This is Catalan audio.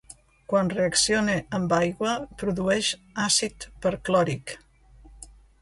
Quan reacciona amb aigua produeix àcid perclòric.